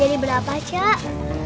jadi berapa cak